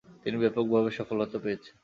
তিনি ব্যাপকভাবে সফলতা পেয়েছেন।